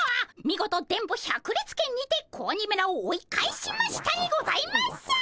見事電ボ百裂拳にて子鬼めらを追い返しましたにございますっ！